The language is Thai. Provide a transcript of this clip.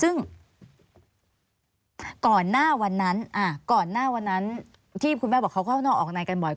ซึ่งก่อนหน้าวันนั้นที่คุณแม่บอกเขาก็ออกไหนกันบ่อย